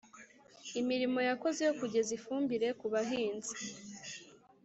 imirimo yakoze yo kugeza ifumbire ku bahinzi